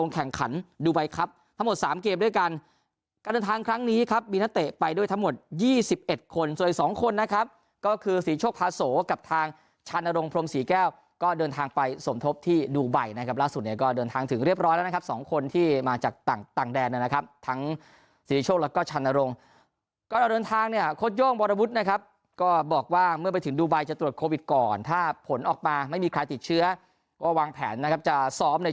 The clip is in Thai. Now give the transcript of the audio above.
การเดินทางครั้งนี้ครับมีนาเตะไปด้วยทั้งหมดยี่สิบเอ็ดคนส่วนอีกสองคนนะครับก็คือศรีโชคพาโสกับทางชันนรงค์พรมศรีแก้วก็เดินทางไปสมทบที่ดูไบนะครับล่าสุดเนี่ยก็เดินทางถึงเรียบร้อยแล้วนะครับสองคนที่มาจากต่างต่างแดนนะครับทั้งศรีโชคแล้วก็ชันนรงค์ก็เราเดินทางเนี่ยคดโยงบรรวุฒุนะครับก็